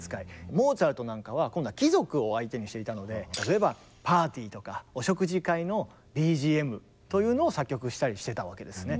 モーツァルトなんかは今度は貴族を相手にしていたので例えばパーティーとかお食事会のＢＧＭというのを作曲したりしてたわけですね。